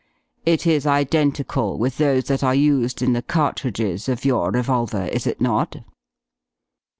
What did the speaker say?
It is identical with those that are used in the cartridges of your revolver, is it not?"